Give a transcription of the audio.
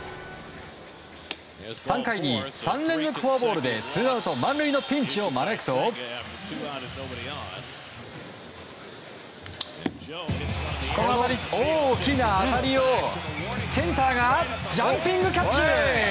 ３回に３連続フォアボールでツーアウト満塁のピンチを招くとこの大きな当たりを、センターがジャンピングキャッチ！